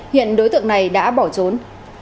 hiện đối tượng này đã bỏ trốn